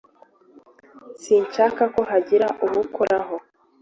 Sinshaka ko hagira uwukoraho